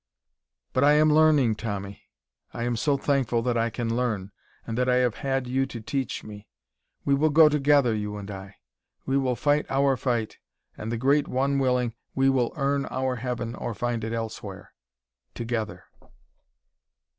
"But I am learning, Tommy; I am so thankful that I can learn and that I have had you to teach me. We will go together, you and I. We will fight our fight, and, the Great One willing, we will earn our heaven or find it elsewhere together."